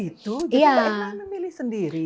jadi baiklah anda milih sendiri